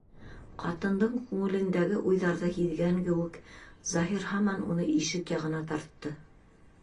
Ҡатындың күңелендәге уйҙарҙы һиҙгән кеүек, Заһир һаман уны ишек яғына тартты.